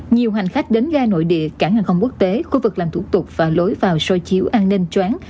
nhiều hành khách đến gai nội địa cảng hàng không quốc tế khu vực làm thủ tục và lối vào xoay chiếu an ninh choán